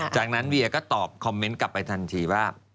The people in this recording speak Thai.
จากนั้นเวียก็ตอบคอมเมนต์กลับไปทันทีว่า